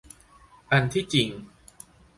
อันที่จริง